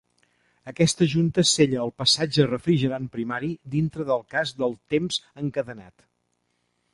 Aquesta junta sella el passatge refrigerant primari dintre del cas del temps encadenat.